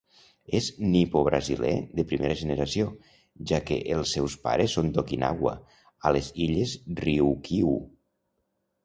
És nipobrasiler de primera generació, ja que els seus pares són d'Okinawa, a les illes Ryukyu.